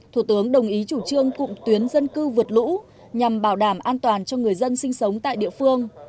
thủ tướng đồng ý chủ trương cụm tuyến dân cư vượt lũ nhằm bảo đảm an toàn cho người dân sinh sống tại địa phương